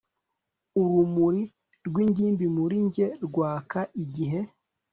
urumuri rw'ingimbi muri njye rwaka igihe